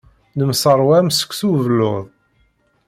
Nemseṛwa am seksu ubelluḍ.